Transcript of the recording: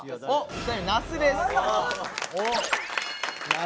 ２人目那須です。